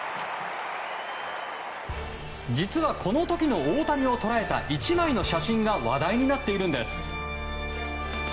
実は、この時の大谷を捉えた１枚の写真が話題になっているんです。